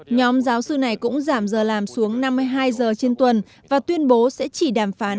nhóm giáo sư này cũng giảm giờ làm xuống năm mươi hai giờ trên tuần và tuyên bố sẽ chỉ đàm phán